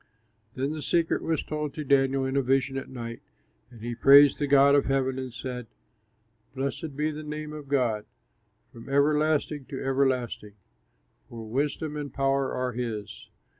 Then the secret was told to Daniel in a vision at night, and he praised the God of heaven and said: "Blessed be the name of God From everlasting to everlasting! For wisdom and power are his.